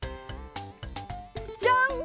じゃん！